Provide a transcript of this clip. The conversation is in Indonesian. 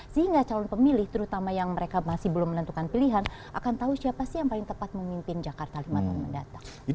sehingga calon pemilih terutama yang mereka masih belum menentukan pilihan akan tahu siapa sih yang paling tepat memimpin jakarta lima tahun mendatang